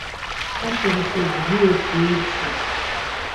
Ашәарыцаҩ бзиа сиеиԥшуп.